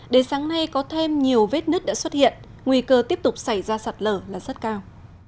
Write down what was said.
đến sáng nay có thêm nhiều vết nứt đã xuất hiện nguy cơ tiếp tục xảy ra sạt lở là rất cao